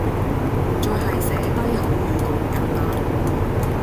唔再係寫低口語咁簡單